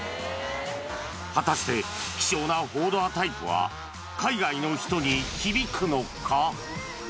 果たして、希少な４ドアタイプは海外の人に響くのか？